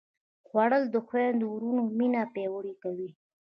خوړل د خویندو وروڼو مینه پیاوړې کوي